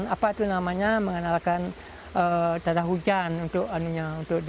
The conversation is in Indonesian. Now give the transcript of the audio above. apa itu namanya mengenalkan tanda hujan untuk anunya